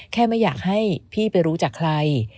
ไม่อยากให้พี่ไปรู้จากใคร